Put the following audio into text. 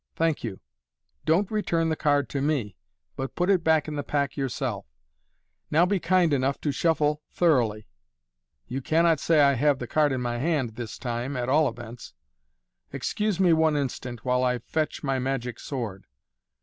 Thank you. Don't return the card to me, but put it back in the pack yourself. Now be kind enough to shuffle thoroughly. You cannot say I have the card in my hand this time, at all events. Excuse me one instant, while I fetch my magic sword."